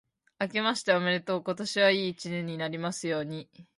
あけましておめでとう。今年はいい年になりますように。